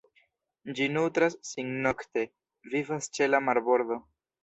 Ĝi nutras sin nokte, vivas ĉe la marbordo.